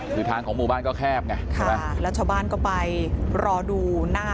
คือทางของหมู่บ้านก็แคบไงค่ะรัชบ้านก็ไปรอดูหน้า